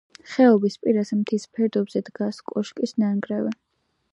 ხეობის პირას, მთის ფერდობზე დგას კოშკის ნანგრევი.